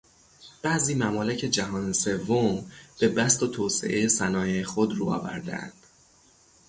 بعضی ممالک جهان سوم به بسط و توسعهٔ صنایع خود رو آورده اند.